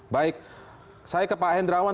baik saya ke pak hendrawan